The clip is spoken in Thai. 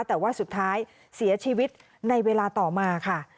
แต่ว่าสุดท้ายเสียชีวิตในเวลาต่อมาค่ะ